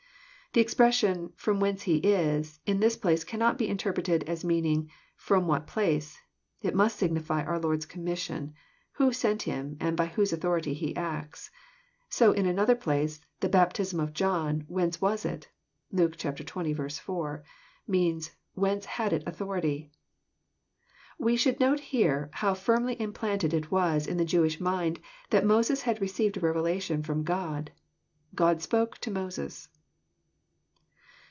The expression, '< from whence He is," in this place cannot be interpreted as meaning '' from what place." It must signify our Lord's commission, ^who sent Him, and by whose authority he acts. So in another place, '* the baptism of John, whence was it? " (Luke xx. 4,) means *' whence had it authority?" We should note here, how firmly implanted it was in the Jewish mind that Moses had received a revelation firom Gk)d. " God spoke to Moses."